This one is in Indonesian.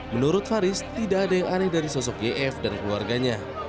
menurut faris tidak ada yang aneh dari sosok gf dan keluarganya